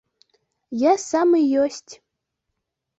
Я сам і ёсць.